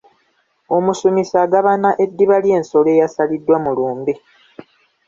Omusumisi agabana eddiba ly’ensolo eyasaliddwa mu lumbe.